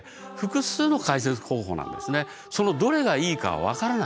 そのどれがいいかは分からない。